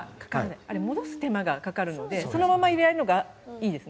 あれ、戻す手間がかかるのでそのまま入れられるのがいいですね。